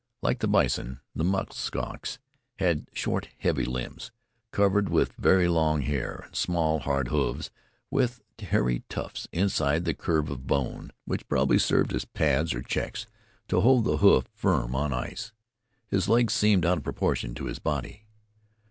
Like the bison, the musk ox had short, heavy limbs, covered with very long hair, and small, hard hoofs with hairy tufts inside the curve of bone, which probably served as pads or checks to hold the hoof firm on ice. His legs seemed out of proportion to his body.